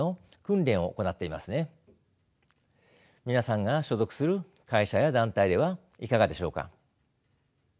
皆さんが所属する会社や団体ではいかがでしょうか。